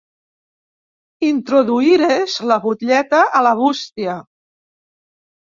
Introduïres la butlleta a la bústia.